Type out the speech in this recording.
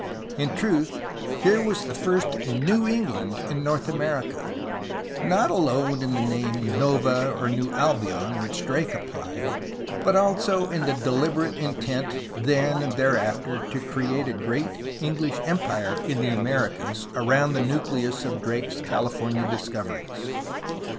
In truth, here was the first "New England*' in North America, not alone in the name "Nova (New) Albion'' which Drake applied, but also in the deliberate intent then and thereafter to create a great English empire in the Americas around the nucleus of Drake's California discoveries.